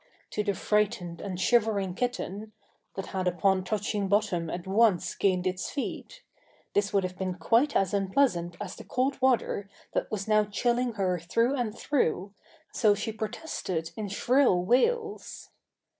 To the frightened and shivering kitten that had upon touching bottom at once gained its feet this would have been quite as unpleasant as the cold water that was now chilling her through and through, so she protested in shrill wails.